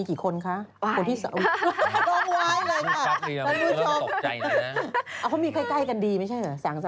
เขามีใกล้กันดีไม่ใช่เหรอสาง